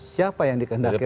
siapa yang dikendaki rakyat